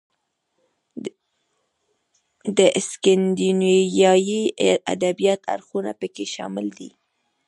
د سکینډینیویايي ادبیاتو اړخونه پکې شامل دي.